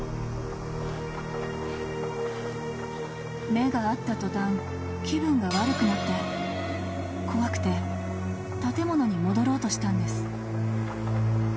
［目が合った途端気分が悪くなって怖くて建物に戻ろうとしたんです］